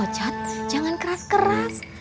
ocat jangan keras keras